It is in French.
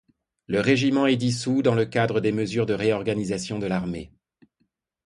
Le régiment est dissous dans le cadre des mesures de réorganisation de l'Armée.